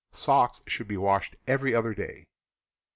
Socks should be washed every other day.